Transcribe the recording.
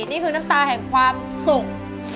นี่คือน้ำตาแห่งความสุข